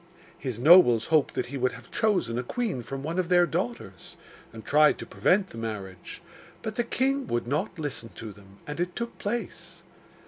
His nobles hoped that he would have chosen a queen from one of their daughters, and tried to prevent the marriage; but the king would not listen to them, and it took place.